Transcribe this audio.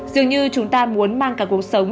dường như chúng ta muốn mang cả cuộc sống